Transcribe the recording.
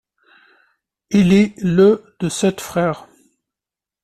Il est le de sept frères.